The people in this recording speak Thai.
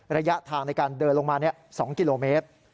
ระยะทางในการเดินลงมา๒กิโลเมตร